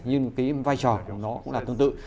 nhưng vai trò của nó cũng là tương tự